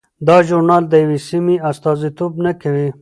دا ژورنال د یوې سیمې استازیتوب نه کوي.